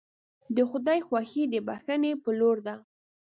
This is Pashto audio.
د خدای خوښي د بښنې په لور ده.